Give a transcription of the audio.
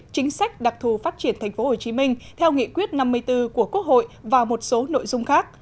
chính sách đặc thù phát triển thành phố hồ chí minh theo nghị quyết năm mươi bốn của quốc hội và một số nội dung khác